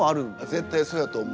絶対そうやと思う。